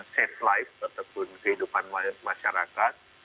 safe life ataupun kehidupan masyarakat